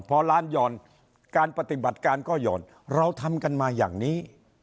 พอร้านหย่อนการปฏิบัติการก็หย่อนเราทำกันมาอย่างนี้